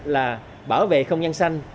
là bảo vệ không gian xanh